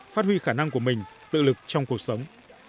phát huy khả năng của mình tự lực trong cuộc sống